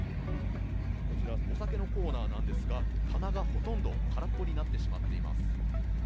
こちらお酒のコーナーなんですが、棚がほとんど空っぽになってしまっています。